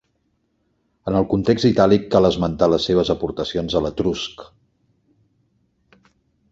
En el context itàlic cal esmentar les seves aportacions a l'etrusc.